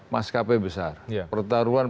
maskapai besar pertaruhan